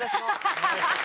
ハハハハ！